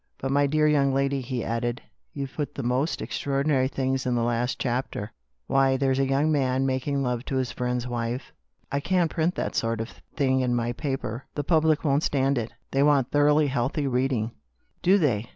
"But, my dear girl," he added, "you've put the most extraordinary things in this last chapter. Why, there's a young man TWO ULTIMATUMS. 221 making love to his friend's wife. I can't put that sort of thing in my paper. The public won't stand it, my dear girl. They want thoroughly healthy reading." " Do they